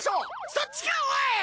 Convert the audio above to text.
そっちかおい！？